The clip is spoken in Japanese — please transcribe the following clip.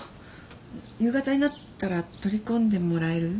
夕方になったら取り込んでもらえる？